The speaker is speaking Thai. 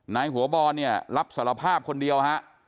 นายหัวบอนรับสารภาพคนเดียว